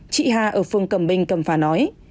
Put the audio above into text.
chị hà ở phường cầm bình cầm phà nói